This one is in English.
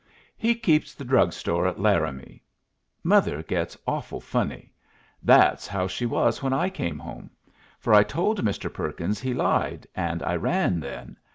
"He keeps the drug store at Laramie. Mother gets awful funny. That's how she was when I came home. For I told Mr. Perkins he lied, an' I ran then.